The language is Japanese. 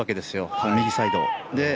この右サイド。